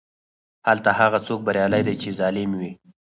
هلته هغه څوک بریالی دی چې ظالم وي.